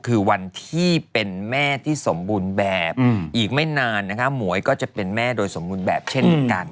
คือวันที่เป็นแม่ที่สมบูรณ์แบบอีกไม่นานนะคะหมวยก็จะเป็นแม่โดยสมบูรณ์แบบเช่นเดียวกัน